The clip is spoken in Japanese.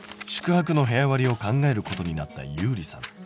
宿泊の部屋割りを考えることになったゆうりさん。